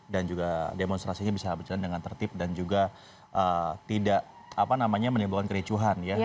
dan juga demonstrasinya bisa berjalan dengan tertib dan juga tidak menimbulkan kericuhan ya